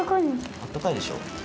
あったかいでしょ。